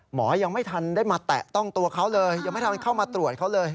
ยังไม่ทันได้มาแตะต้องตัวเขาเลยยังไม่ทันเข้ามาตรวจเขาเลย